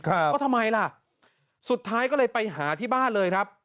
ว่าทำไมล่ะสุดท้ายก็เลยไปหาที่บ้านเลยครับ